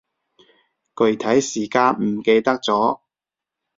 具體時間唔記得咗